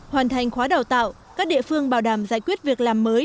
hoàn thành khóa đào tạo các địa phương bảo đảm giải quyết việc làm mới